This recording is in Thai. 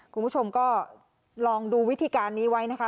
คุณผู้ชมก็ลองดูวิธีการนี้ไว้นะคะ